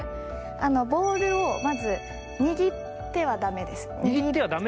ボールをまず握ってはだめです。